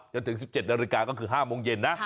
จนถึง๑๗นก็คือ๕โมงเย็นนะ